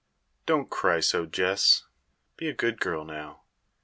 "Don't cry so, Jess. Be a good girl, now.